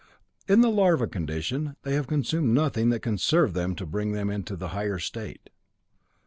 In the larva condition they have consumed nothing that can serve them to bring them into the higher state."